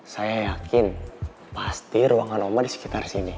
saya yakin pasti ruangan oma disekitar sini